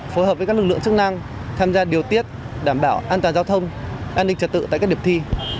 phối hợp với các lực lượng chức năng tham gia điều tiết đảm bảo an toàn giao thông an ninh trật tự tại các điểm thi